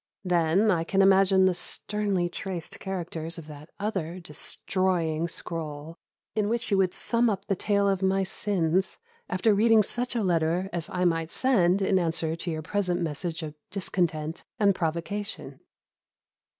Then I can imagine the sternly traced characters of that other destroying scroll, in which you would sum up the tale of my sins, after reading such a letter as I might send in answer to your present message of discontent and provocation.